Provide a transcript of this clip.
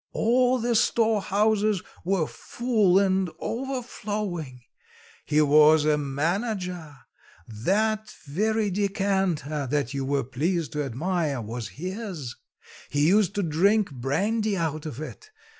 All the storehouses were full and overflowing. He was a manager. That very decanter, that you were pleased to admire, was his; he used to drink brandy out of it.